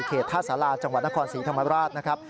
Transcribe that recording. ท่าสาราจังหวัดนครศรีธรรมราชนะครับ